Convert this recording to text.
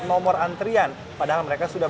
nomor antrian padahal mereka sudah